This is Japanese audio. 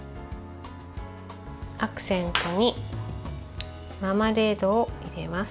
アクセントにマーマレードを入れます。